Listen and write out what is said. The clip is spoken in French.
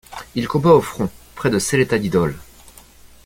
Il combat au front près de Selletta di Dol.